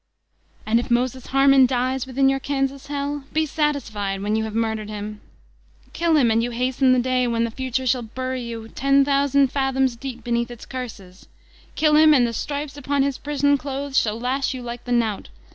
And if Moses Harman dies within your ''Kansas Hell be satisfied tcfAai you have murdered him! Kill him! And you hasten the day when the Future shall bury you ten thousand fathoms deep beneath its curses. Kill him I And the stripes upon hb prison clothes shall lash you like the knout!